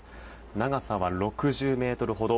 長さは６０ｍほど。